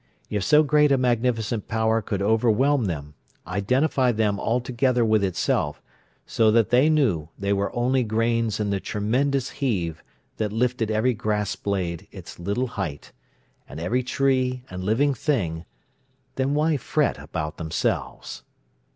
If so great a magnificent power could overwhelm them, identify them altogether with itself, so that they knew they were only grains in the tremendous heave that lifted every grass blade its little height, and every tree, and living thing, then why fret about themselves?